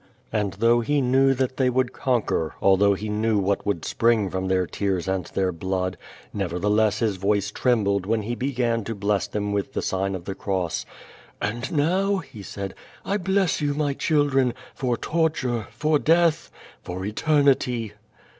And though he knew that they would conquer, although he knew what would spring from their tears and their blood, nevertheless liis voice treml)led when he began to bless them with the sign of the Cross. "And now," he said, "I l)less you, my children, for torture, for death, for eternity!"